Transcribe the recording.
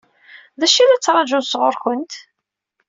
D acu i la ttṛaǧun sɣur-kent?